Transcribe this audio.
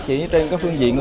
chỉ trên các phương diện